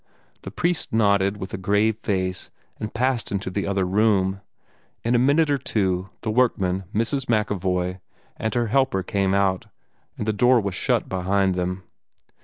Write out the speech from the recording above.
The priest nodded with a grave face, and passed into the other room. In a minute or two the workmen, Mrs. MacEvoy, and her helper came out, and the door was shut behind them.